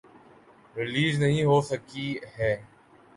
Release نہیں ہوسکی ہیں۔